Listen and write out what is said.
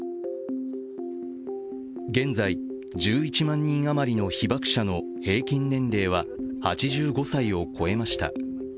現在、１１万人余りの被爆者の平均年齢は８５歳を超えました。